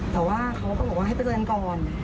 แต่ว่าเขาก็บอกว่าให้ไปเตือนก่อน